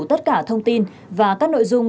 tất cả thông tin và các nội dung